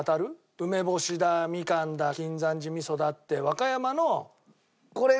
梅干しだみかんだ金山寺味噌だって和歌山の。